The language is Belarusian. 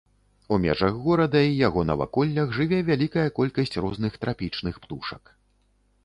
У межах горада і яго наваколлях жыве вялікая колькасць розных трапічных птушак.